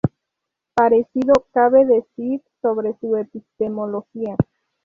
Parecido cabe decir sobre su epistemología.